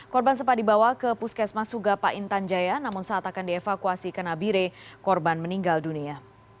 korban sempat dibawa ke puskesmas sugapa intan jaya namun saat akan dievakuasi ke nabire korban meninggal dunia